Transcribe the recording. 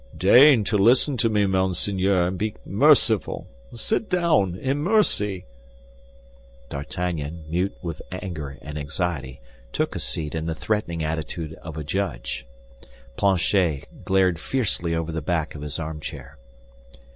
"Deign to listen to me, monseigneur, and be merciful! Sit down, in mercy!" D'Artagnan, mute with anger and anxiety, took a seat in the threatening attitude of a judge. Planchet glared fiercely over the back of his armchair.